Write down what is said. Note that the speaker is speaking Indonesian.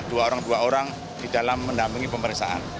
dua orang dua orang di dalam mendampingi pemeriksaan